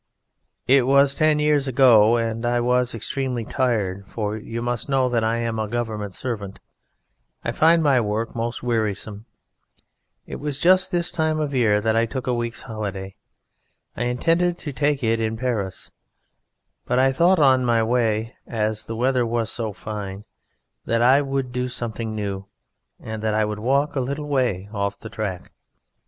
"It was ten years ago, and I was extremely tired, for you must know that I am a Government servant, and I find my work most wearisome. It was just this time of year that I took a week's holiday. I intended to take it in Paris, but I thought on my way, as the weather was so fine, that I would do something new and that I would walk a little way off the track.